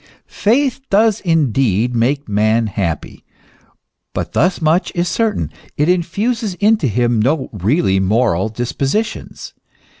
Faith does indeed make man happy ; but thus much is cer tain : it infuses into him no really moral dispositions.